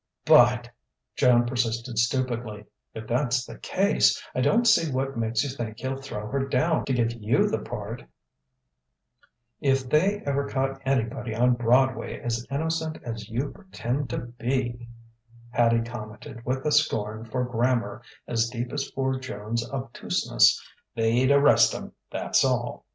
"But," Joan persisted stupidly, "if that's the case, I don't see what makes you think he'll throw her down to give you the part " "If they ever caught anybody on Broadway as innocent as you pretend to be," Hattie commented with a scorn for grammar as deep as for Joan's obtuseness "they'd arrest 'em, that's all!